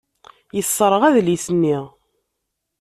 Yesserɣ adlis-nni.